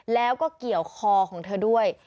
แล้วก็เกี่ยวคอของเธอด้วย